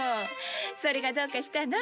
それがどうかしたの？